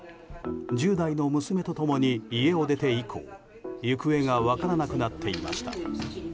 １０代の娘と共に家を出て以降行方が分からなくなっていました。